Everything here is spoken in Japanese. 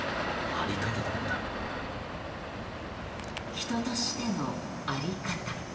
人としての在り方。